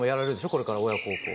これから親孝行。